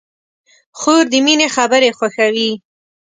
خور د مینې خبرې خوښوي.